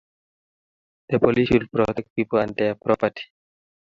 The police should protect people and their property.